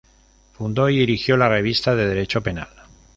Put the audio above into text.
Fundó y dirigió la Revista de derecho penal.